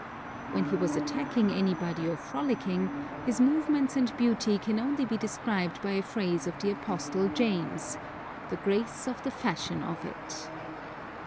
When he was attacking anybody or frolicking, his movements and beauty can only be described by a phrase of the Apostle James, 'the grace of the fashion of it.'